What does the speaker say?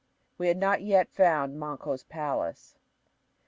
We had not yet found Manco's palace.